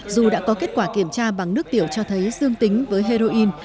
dù đã có kết quả kiểm tra bằng nước tiểu cho thấy dương tính với heroin